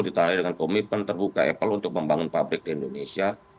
hal tersebut ditaruhi dengan komitmen terbuka apple untuk membangun pabrik di indonesia